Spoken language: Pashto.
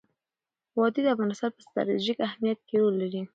وادي د افغانستان په ستراتیژیک اهمیت کې رول لري.